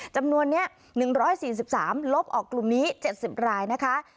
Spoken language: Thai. จำนวนนี้หนึ่งร้อยสี่สิบสามลบออกกลุ่มนี้เจ็ดสิบรายนะคะ